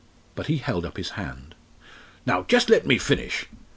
But he held up his hand. "Now just let me finish.